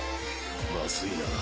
まずいな。